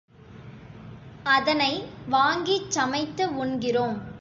அதனை வாங்கிச் சமைத்து உண்கிறோம்.